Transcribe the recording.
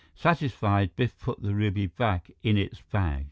Satisfied, Biff put the ruby back in its bag.